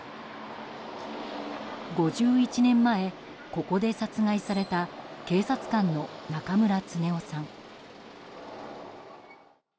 ５１年前、ここで殺害された警察官の中村恒雄さん。